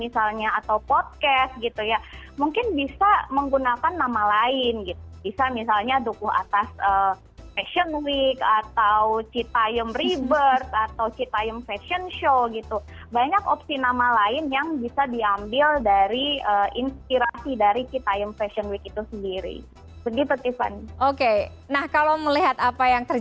seberapa ratus meter